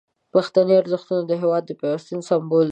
پښتني ارزښتونه د هیواد د پیوستون سمبول دي.